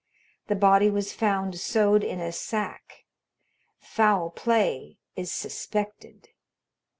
The body was found sewed in a sack. Foul play is suspected.